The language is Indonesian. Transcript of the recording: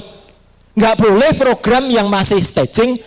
tidak boleh program yang masih statging